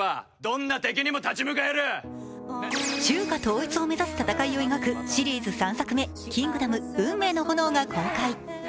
中華統一を目指す戦いを描くシリーズ３作目「キングダム運命の炎」が公開。